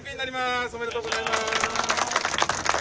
おめでとうございます。